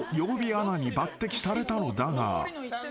アナに抜てきされたのだが］